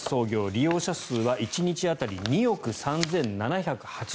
利用者数は１日当たり２億３７８０万人。